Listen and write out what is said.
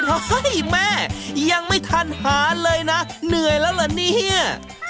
เฮ้ยแม่ยังไม่ทันหาเลยนะเหนื่อยแล้วเหรอเนี่ย